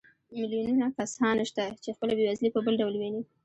میلیونونه کسان شته چې خپله بېوزلي په بل ډول ویني